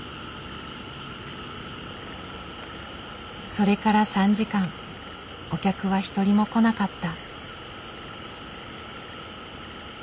それから３時間お客は一人も来なかった。